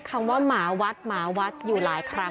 คำว่าหมาวัดหมาวัดอยู่หลายครั้ง